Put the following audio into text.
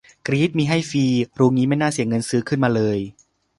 กรี๊ด มี ให้ฟรี รู้งี้ไม่น่าเสียเงินซื้อขึ้นมาเลย